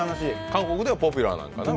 韓国ではポピュラーなんかな。